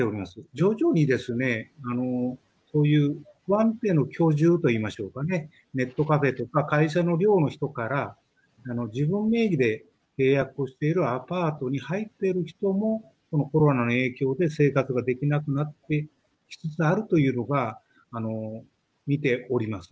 徐々にですねこういう不安定な居住といいましょうかねネットカフェとか会社の寮の人から自分名義で契約をしているアパートに入ってる人もこのコロナの影響で生活ができなくなってきつつあるというのが見ております。